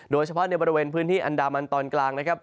โดยเฉพาะในบริเวณพื้นที่อันดามันตอนกลางนะครับ